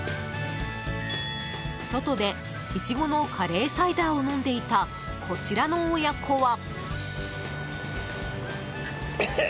外でいちごのカレーサイダーを飲んでいた、こちらの親子は？